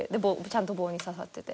ちゃんと棒に刺さってて。